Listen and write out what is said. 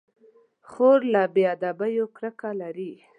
خور له بې ادبيو کرکه لري.